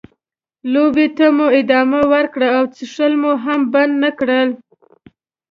لوبې ته مو ادامه ورکړه او څښل مو هم بند نه کړل.